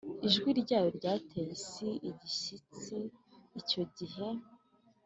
Ijwi ryayo ryateye isi igishyitsi icyo gihe